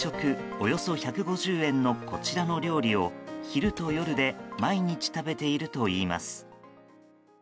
およそ１５０円のこちらの料理を昼と夜で毎日食べているといいます。